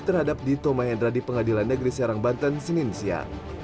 terhadap dito mahendra di pengadilan negeri serang banten senin siang